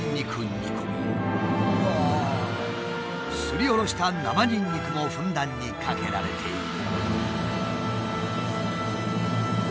すりおろした生ニンニクもふんだんにかけられている。